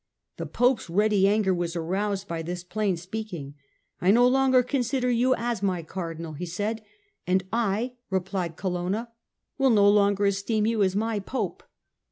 The Pope's ready anger was aroused by this plain speaking. " I no longer consider you as my Cardinal," he said. " And I," replied Colonna, " will no longer esteem you as my Pope."